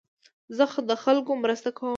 زه د خلکو مرسته کوم.